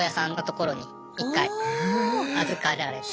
預かられて。